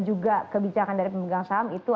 juga kebijakan dari pemegang saham itu